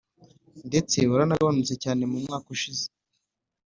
ndetse waranagabanutse cyane mu myaka ishize.